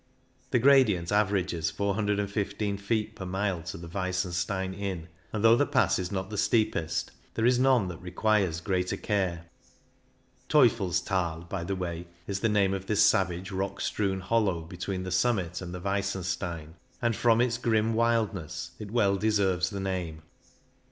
The gradient averages 415 feet per mile to the Weis senstein Inn, and though the Pass is not the steepest, there is none that requires greater care. " Teufels thal," by the way, is the name of this savage, rock strewn hollow between the summit and the Weissenstein, and from its grim wildness it well deserves the name.